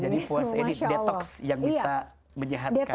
jadi puasa ini detoks yang bisa menyehatkan